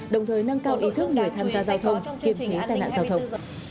đồng thời nâng cao ý thức người tham gia giao thông kiểm trí tài nạn giao thông